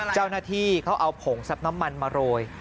เจ้าหน้าที่เขาเอาผงซับน้ำมันมาโรย